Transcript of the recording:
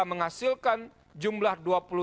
menghasilkan jumlah dua puluh tiga dua juta pemilih